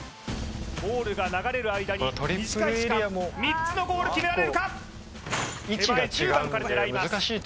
ゴールが流れる間に短い時間このトリプルエリアも３つのゴール決められるか結構手前１０番から狙います